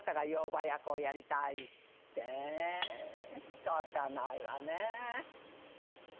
「しかたないわね」。